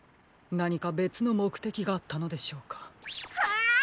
なにかべつのもくてきがあったのでしょうか？